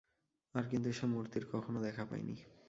আর কিন্তু সে মূর্তির কখনও দেখা পাইনি।